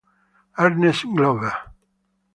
Ernest Glover